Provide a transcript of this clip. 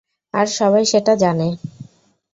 আর সবাই সেটা জানে।